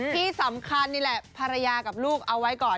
ที่สำคัญนี่แหละภรรยากับลูกเอาไว้ก่อน